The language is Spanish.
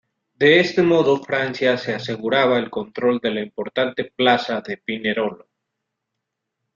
De este modo Francia se aseguraba el control de la importante plaza de Pinerolo.